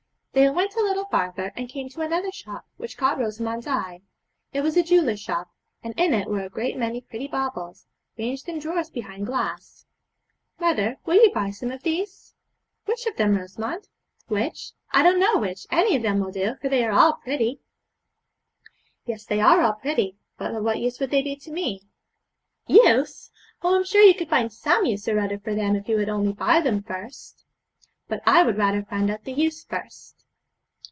They went a little farther, and came to another shop, which caught Rosamond's eye. It was a jeweller's shop, and in it were a great many pretty baubles, ranged in drawers behind glass. 'Mother, will you buy some of these?' 'Which of them, Rosamond?' 'Which? I don't know which; any of them will do, for they are all pretty.' 'Yes, they are all pretty; but of what use would they be to me?' 'Use! Oh, I'm sure you could find some use or other for them if you would only buy them first.' 'But I would rather find out the use first.'